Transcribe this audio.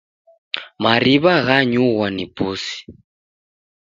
Mariw'a ghanyughwa ni pusi.